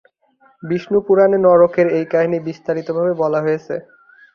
বিষ্ণু পুরাণে নরকের এই কাহিনী বিস্তারিত ভাবে বলা হয়েছে।